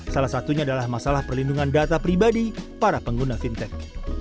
salah satunya adalah masalah perlindungan data pribadi para pengguna fintech